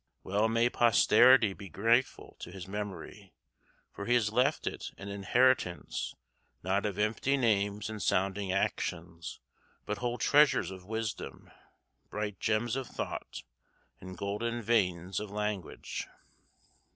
Well may posterity be grateful to his memory, for he has left it an inheritance not of empty names and sounding actions, but whole treasures of wisdom, bright gems of thought, and golden veins of language.